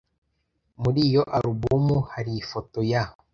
Muri iyo alubumu hari ifoto ya ?